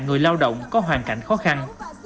người lao động có hoàn cảnh khó khăn